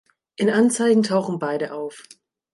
In Anzeigen tauchen beide auf.